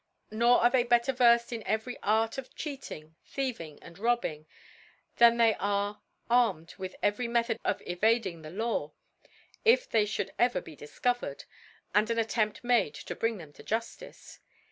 Nor are they better vcrlcd in every Art of Cheating, Thieving, and .Rob bing, than they are armed with every Me thod of evading the Law, if they (hould ever be difcovered, and an Attempt made to bring them to Juftice.